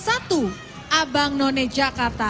abang noni jakarta dua ribu dua puluh dua